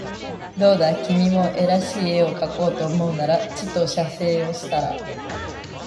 どうだ君も画らしい画をかこうと思うならちと写生をしたら